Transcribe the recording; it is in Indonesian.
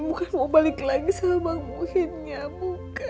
bukan mau balik lagi sama bang muhin ya bukan